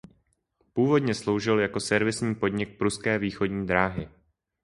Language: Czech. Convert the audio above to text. Původně sloužil jako servisní podnik Pruské východní dráhy.